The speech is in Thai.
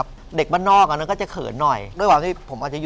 เป็นจิตอาสาเฉย